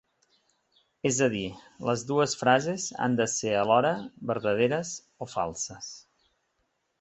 És a dir, les dues frases han de ser alhora vertaderes o falses.